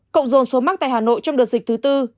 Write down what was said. cộng dồn số mắc tại hà nội trong đợt dịch thứ tư